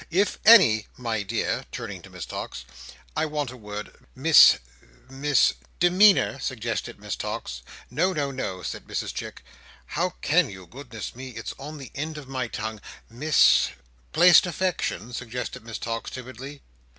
If any—my dear," turning to Miss Tox, "I want a word. Mis—Mis " "Demeanour?" suggested Miss Tox. "No, no, no," said Mrs Chic "How can you! Goodness me, it's on, the end of my tongue. Mis " "Placed affection?" suggested Miss Tox, timidly.